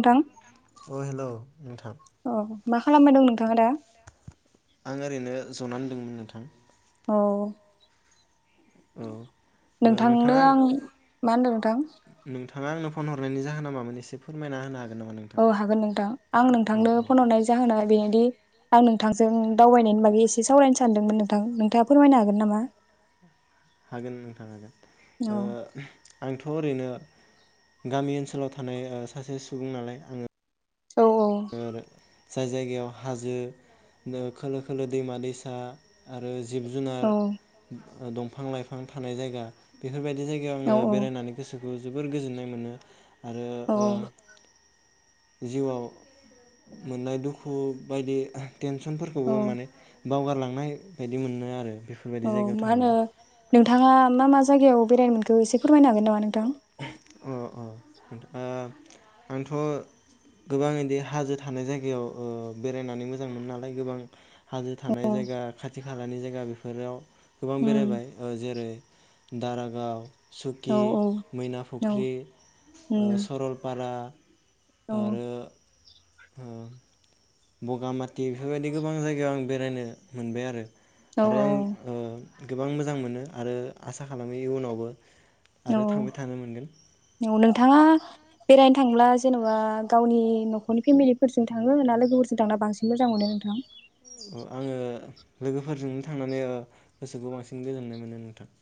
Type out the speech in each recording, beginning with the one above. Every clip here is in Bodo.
नोंथां अ हेलौ नोंथां। औ मा खालामबाय दं नोंथाङा दा। आं ओरैनो जनानै दोंमोन नोंथां। अ। औ ओ नोंथांनो नोंथाङा आं मा होनदों नोंथां। थाङा आंनो फन हरनायनि जाहोना मामोन एसे फोरमायना होनो हा औ हागोन नोंथां आं नोंथांनो औ फन हरनाय जाहोना बे। आं नोंथांजों दावबायनायनि बागै एसे सावरायनो सानदोंमोन नोंथां नोंथाङा फोरमायनो हागोन नामा। हागोन नोंथां औ हागोन। ओ। आंथ' ओरैनो गामि ओनसोलाव थानाय सासे सुबुं नालाय आङो। औ औ। जाय जायगायाव हाजो खोलो खोलो दैमा दैसा आरो। जिब औ जुनार। दंफां लाइफां थानाय जायगा बे। बेफोरबायदि जायगायाव औ आङो बेरायनानै गोसो। बेखौ जोबोर गोजोननाय मोनो। आरो औ ओ। जिउआव मोननाय दुखु बायदि औ टेनसनफोरखौबो माने बावगारलांनाय बायदि मोनो आरो। बेफोरबायदि जायगायाव थांनानै थाङा मा मा जायगायाव बेरायनो मोनखो एसे फोरमायनो हागोन नामा नोंथां। अ औ नोंथां आंथ गोबां इदि हाजो थानाय जायगायाव ओ बेरायनानै मोजांमोनो नालाय गोबां हाजो थानाय औ जायगा खाथि खालानि जायगा बे फोराव गोबां उम बेरायबाय ओ जेरै दारागाव औ सुखि मैना औ फुख्रि ओ उम सरलपा रा औ आरो ओ बगामाथि बेफोरबायदि गोबां जायगायाव आं बेरायनो मोनबाय आरो। औ आरो आं ओ गोबां मोजां मोनो आरो आसा खालामो इयुनावबो औ आरो थांबाय थानो मोनगोन। औ नोंथाङा बेरायनो थांब्ला जेन'बा गावनि न'खरनि फेमिलिफोरजों थाङो ना लोगोफोरजों थांना बांसिन मोजां मोनो नोंथां। अ आङो लोगोफोरजोंनो थांनानै ओ गोसोखौ बांसिन गोजोननाय मोनो नोंथां।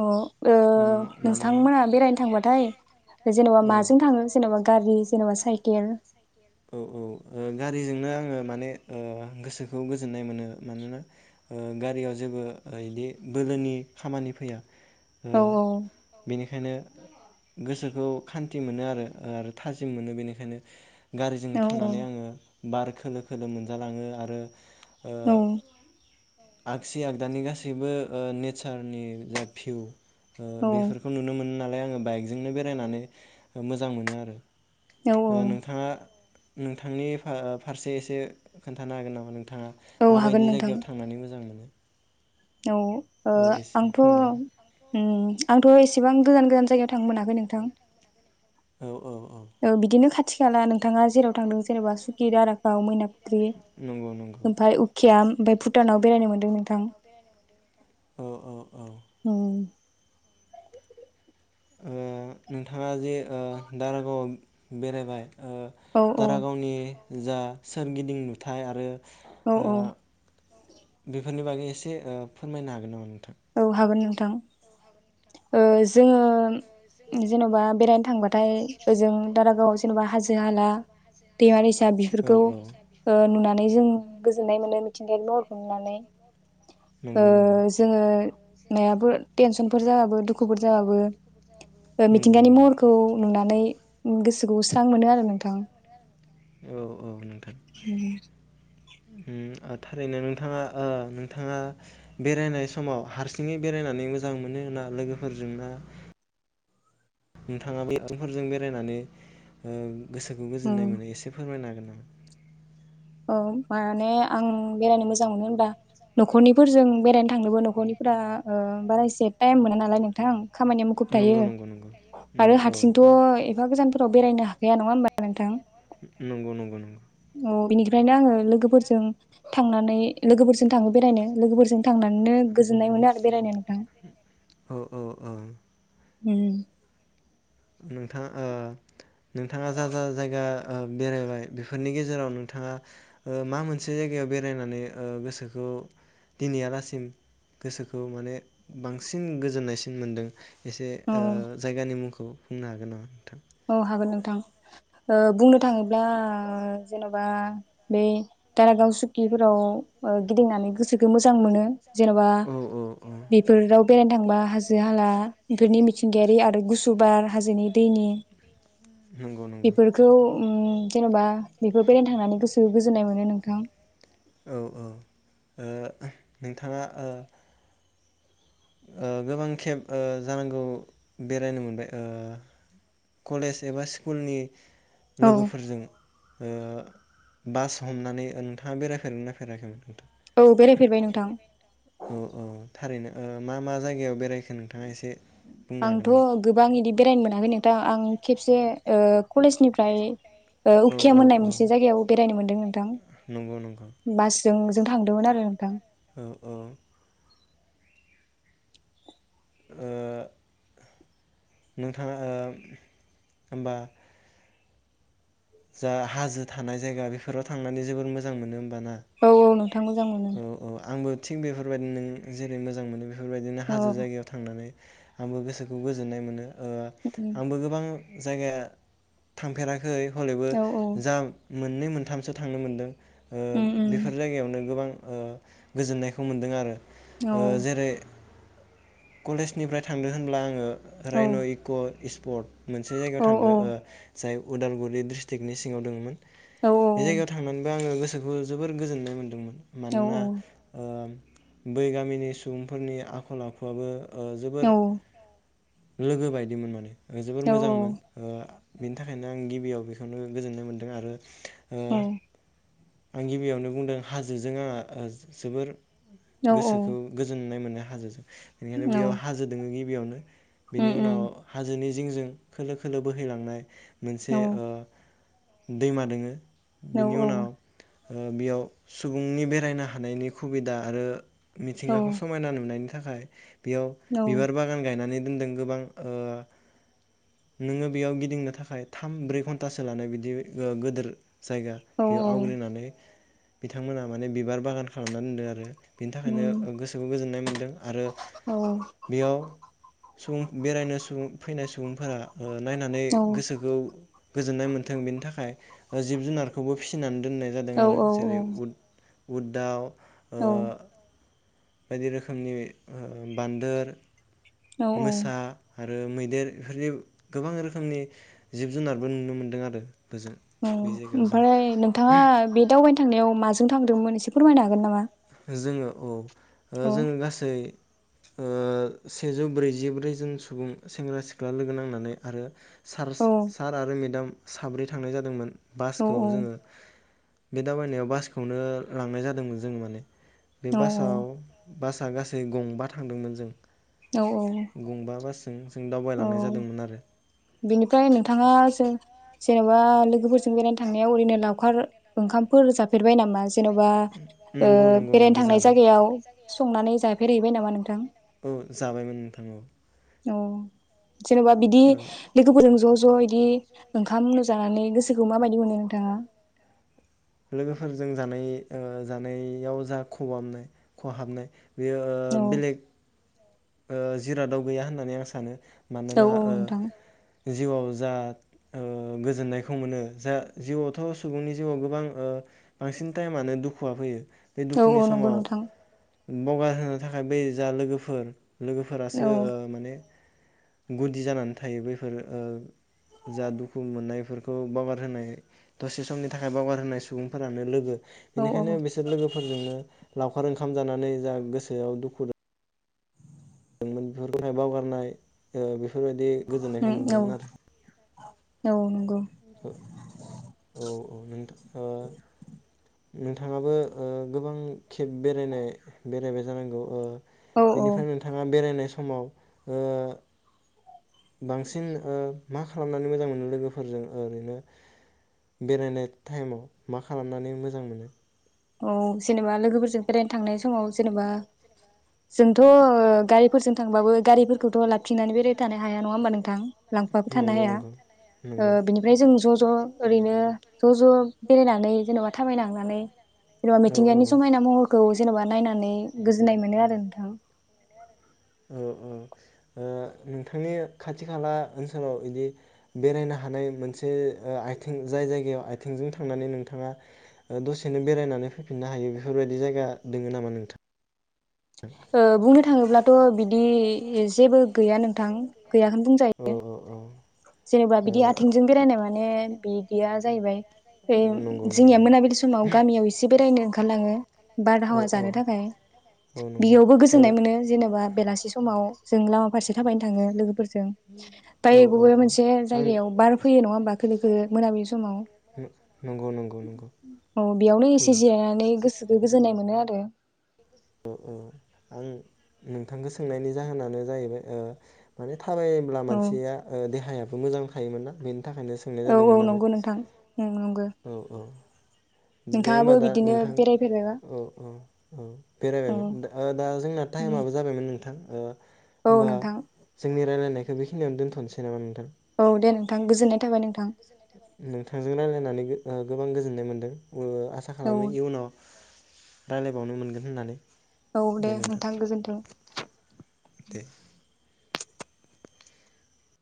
अ ओ उम मानोना नोंथांमोना बेरायनो थांबाथाय जेनेबा औ माजों थाङो जेनेबा गारि जेनेबा साय केल औ औ ओ गारिजोंनो आंङो माने ओ गोसोखौ गोजोननाय मोनो मानोना गारियाव जेबो इदि बोलोनि खामानि फैया। ओ औ बेनि खायनो गोसोखौ खान्थि मोनो आरो आरो थाजिम मोनो बेनिखायनो गारिजों औ थांनानै आंङो बार खोलो-खोलो मोनजालाङो आरो ओ औ आगसि आगदानि गासैबो ओ नेसारनि जा भिउ ओ औ बेफोरखौ नुनो मोनो ना लाय आंङो बाइकजोंनो बेरायनानै मोजां मोनो आरो। औ ओ नोंथाङा नोंथांनि फा फारसे एसे खोन्थानो हागोन नामा नों थाङा औ हागोन माबायदि नोंथां जायगायाव थांनानै मोजां मोनो? औ ओ औ एसे आंथ' बुंनाय उम आंथ' एसे बां गोजान गोजान जायगायाव थांनो मोनाखै नोंथां औ औ थिखाना नोंथाङा जेराव थांदों एसे जेनेबा सुकिदारा बाव मैनाफुथ्रि नंगौ नंगौ आरो उकियाम ओमफाय भुटानाव बेरायनो मोनदों नोंथां औ औ औ उम ओ नोंथाङा जे ओ दारागावआव बेरायबाय ओ औ औ दारागावनि जा सोरगिदिं नुथाय आरो औ ओ औ बेफोरनि बागै एसे ओ फोरमायनो हागोन नामा नोंथां औ हागोन नोंथां ओ जोङो जेन'बा बेरायनो थांबाथाय ओजों दारागाव जेन'बा हाजो हाला दैमा दैसा दा औ बिफोरखौ औ ओ नुनानै जों गोजोन्नाय मोनो मिथिंगायारिनि महरखौ नुनानै ओ नंगौ नंगौ जोङो नायाबो टेनसनफोर जाबाबो दुखुफोर जाबाबो नंगौ मिथिंगानि नंगौ महरखौ नुनानै गोसोखौ स्रां मोनो आरो नोंथां औ औ नोंथां उम थारैनो नोंथाङा ओ नोंथाङा बेरायनाय समाव हारसिङै बेरायनानै मोजां मोनो ना लोगोफोरजों ना? नोंथाङाबो आथिंफोरजों बेरायनानै ओ गोसोखौ उम गोजोननाय मोनो एसे फोरमायनो होगोन [unintelligible] ओं माने आं बेरायनो मोजां मोनो होनबा न'खरनिफोरजों बेरायनो थांनोबो न'खरनिफोरा ओ बारा एसे टाइम मोना नालाय नोंथां खामानिया मुखुब नों थायो नंगौ नंगौ नंगौ औ आरो औ औ हारसिंथ' थ' एफा गोजानफोराव बेरायनो हा या नङा होनोमबा नोंथां हो नंगौ नंगौ नंगौ औ बेनिफ्रायनो आङो लोगोफोरजों थांनानै लोगोफोरजों थाङो बेरायनो लोगोफोरजों थांनानैनो गोजोननाय मोना आरो बिरायनो औ औ औ उम नोंथां ओ नोंथाङा जा जा जायगा ओ बेरायबाय बेफोरनि गेजेराव नोंथाङा ओ मा मोनसे जायगायाव बेरायनानै ओ गोसोखौ दिनैआलासिम गोसोखौ माने बांसिन गोजोननायसिन मोनदों? एसे औ जायगानि मुंखौ बुंनो हागोन नामा नोंथां? औ हागोन नोंथां ओ बुंनो थाङोब्ला जेन'बा बे दारागाव सुकिफोराव गिदिंनानै गोसोखौ मोजां मोनो। जेन'बा औ औ औ बेफोराव बेरायनो थाङो। बा हाजो हाला बेफोरनि मिथिंगायारि आरो गुसुुबार हाजोनि दैनि। नंगौ नंगौ बेफोरखौ ओम जेन'बा बेफोर बेरायनो थांनानै गोसो गोजोननाय मोनो नोंथां। औ ओ नोंथाङा ओ ओ गोबां खेब ओ जानांगौ बेरायनो मोनबाय ओ कलेज एबा स्कुलनि औ लोगोफोरजों। ओ बास हमनानै नोंथाङा बेरायफेरदोंना बेरायफेराखैमोन नोंथां? औ बेरायफेरबाय नोंथां। औ औ थारैनो ओ मा मा जायगायाव बेरायखो नोंथाङा एसे बुंनो हागोन आंथ' नामा? गोबां इदि बेरायनो मोनाखै नोंथां आं खेबसे ओ कलेजनिफ्राय औ औ उखियाम होननाय औ मोनसे जायगायाव बेरायनो मोनदों। नोंथां नंगौ नंगौ बासजों जों थांदोंमोन आरो नोंथां। औ औ ओ नोंथाङा ओ होमबा जा हाजो थानाय जायगा बेफोराव थांनानै जबोद मोजां मोनो होम औ औ नोंथां मोनो औ औ आंबो थिग बेफोर बेफोरबादिनो नों जेरै मोजां मोनो बे बेफोरबायदिनो हाजो औ जायगायाव थांनानै। आंबो गोसोखौ गोजोननाय मोनो। ओ आंबो गोबां। जायगाया थांफेरा खै हलैबो औ औ जाम मोननै मोनथामसो थांनो मोनदों। ओ उम उम बेफोर जायगायावनो गोबां ओ गोजोननायखौ मोनदों आरो। औ ओ जेरै कलेजनिफ्राय थांदों होनब्ला आङो औ राइन' इक' पत मोनसे जायगायाव औ थांदो ओ जाय उदालगुरि डिस्ट्रिक्टनि सिङाव दङो औ बे जायगायाव थांनानैबो आङो गो गोसोखौ जोबोर गोजोननाय मोन्दोंमोन। औ मानोना ओ बै गामिनि सुबुंफोरनि आखल आखु बाबो ओ जोबोर औ लोगो बायदिमोन माने जोबोर मोजांमोन ओमफ्राय ओ बेनि थाखायनो आं गिबियाव बेखौनो गोजोननाय मोन्दों आरो। ओ आं गिबियावनो बुंदों हाजोजों आंहा जोबोर गोसोखौ गोजोननाय मोननो हाजो जों बेनिखायनो बेयाव हाजो दोङो बियावनो बिनि उनाव हाजोनि जिंजों खोलो खोलो बोहैलांनाय मोनसे दैमा दोङो बेनि उनाव बेयाव सुबुंनि बेरायनो हानायनि सुबिदा आरो मिथिंगाखौ समायना नुनायनि थाखाय बेयाव बिबार बागान गायनानै दोनदों गोबां नोङो बेयाव गिदिंनो थाखाय थाम ब्रै घन्टासो लानाय बिदि गोेदोर जायगा बेयाव आवग्रिनानै बिथांमोना माने बिबार बागान खालामनानै दोनदों आरो बिनि थाखायनो गोसोखौ गोजोननाय मोनदों। आरो बेयाव सुबुं बेरायनो सुबुं फैनाय सुबुंफोरा ओ नायनानै गोसोखौ गोजोन्नाय मोनथों बेनि थाखाय जिब जुनारखौबो फिसिनानै जादों आरो जेरै उद उद दाव। औ। बायदि रोखोमनि ओ बान्दोर मोसा ओ मैदेर एफोरनि गोबां रोखोमनि जिब जुनारबो नुनो मोनदों आरो। ओजों अ बे जायगायाव जों ओमफ्राय नोंथाङा बे दावबायनो थांनायाव माजों थांदोंमोन एसे फोरमायनो हागोन नामा? जोङो औ। ओ औ जोङो गासै ओ सेजौ ब्रैजिब्रैजोन सुबुं सेंग्रा सिख्ला लोगो नांनानै आरो सार औ स सार आरो मेडाम। साब्रै थांनाय जादोंमोन। औ बासखौ जोङो बे दावबायनायाव बासखौनो लांनाय जादोंमोन जों माने। बे औ बासाव बासआ गासै गंबा थांदोंमोन जों। औ गंबा बास [unintelligible] औ बिनिफ्राय नोंथाङा जेन'बा लोगोफोरजों बेरायनो थांनायाव ओरैनो लावखार ओंखामफोर जाफेरबाय नामा? जेन'बा ओ बेरायनो थांनाय जागायाव संनानै जा बेरायहैबाय नामा नोंथां? औ जाबायमोन नोंथां औ। औ। जेन'बा बिदि लोगोफोरजों ज' ज' इदि ओंखाम उनो जानानै गोसो खौ माबायदि मोनो नोंथाङा? लोगोफोरजों जानाय ओ जानायाव जा खबामनो खहाबनाय बेयो औ बलेग ओ जिरादाव गैया होननानै आं सानो। औ मानोना औ नोंथां ओ जिउआव जा ओ गोजोननायखौ मोनो जा जिउआवथ' सुबुंनि जिउआव गोबां ओ बांसिन टायेमानो दुखुआ फैयो बे औ दुखुनि औ नंगौ समाव नोंथां बगा होनो थाखाय बै जा लोगोफोर लोगोफोरासो औ ओ माने गुदि जानानै थायो बैफोर ओ जा दुखु मोननाय बेफोरखौ बावगार होनाय दसे समनि थाखाय बावगार होनाय सुबुंफोरानो लोगो औ उम बेनिखायनो बिसोर लोगोफोरजोंनो लाव खार ओंखाम जानानै जा गोसोआव दुखु दं [unintelligible] बावगारनाय ओ बेफोरबायदि गोजोन्नायखौ मोन्दोंमोन औ आरो औ नं ओ औ औ नोंथा ओ नोंथाङाबो ओ गोबां खेब बेरायनाय बेरायबाय जानांगौ ओ औ औ बेनिफ्राय नोंथाङा बेरायनाय समाव ओ बांसिन ओ मा खालामनानै मोजां मोनो लोगोफोरजों ओरैनो बेरायनाय टाइमाव मा खालामनानै मोजां मोनो औ जेनेबा लोगोफोरजों बेरायनो थांनाय समाव जेनेबा जोंथ ओ गारिफोरजों थांबाबो गारिफोरखौथ लाखिनानै बेरायबाय थानो हाया नङा होमबा नोंथां लांफाबो थानो नंगौ हाया नंगौ ओ नंगौ बिनिफ्राय जों ज ज ओरैनो ज ज बेरायनानै जेनबा थाबायलांनानै जेनबा औ औ मिथिंगानि समायना महरखौ जेनबा नायनानै गोजोननाय मोनो आरो नोंथां औ औ ओ नोंथांनि खाथि खाला ओनसोलाव इदि बेरायनो हानाय मोनसे ओ आइथिं जाय जायगायाव आइथिंजों थांनानै नोंथाङा दसेनो बेरायनानै फैफिननो हायो बेफोरबायदि जायगा दोङो नामा नोंथां ओ बुंनो थाङोब्लाथ बिदि जेबो गैया नोंथां गैयाखोनो औ बुंजायो औ औ जेनेबा ओ बिदि आथिंजों बेरायनाय माने बिदि या जाहैबाय बे नंगौ नंगौ जोंनिया नंगौ मोनाबिलि समाव गामियाव एसे बेरायनो ओंखारलाङो बारहावा जानो थाखाय बेयावबो गोजोननाय मोनो जेनेबा बेलासि समाव जों लामा फारसे थाबायनो थाङो लोगोफोर जों थाङो लोगोफोरजों [unintelligible] से जायगायाव बार फैयो नङा होमबा खोलो खोलो मोनाबिलि समाव नंगौ नंगौ नंगौ औ बेयावनो एसे फैयो जिरायनानै गोसोखौ गोजोननाय मोनो आरो औ औ आं नोंथांखो सोंनायनि जाहोनानो जाहैबाय ओ माने थाबायब्ला औ मानसिया ओ देहाया मोजांखायोमोन ना बे थाखायनो सोंनाय औ औ जादोंमोन आरो नंगौ नोंथां ओं नंगौ औ औ दे नोंथाङाबो होमबा दा बिदिनो नोंथां बेरायफेरबायबा औ औ औ औ बेरायबायमोन दा दा जोंना टाइमाबो जाबायमोन नोंथां औ बा नोंथां जोंनि रायलायनाय बेखिनियाव दोनथ'सै नामाोंथां औ दे नों नोंथांजों राय्लायनानै गोबां गोजोननाय मोन्दों आसा औ खालामो इयुनाव राय्लायबावनो मोनगोन होननानै औ दे नोंथां गोजोन्थों दे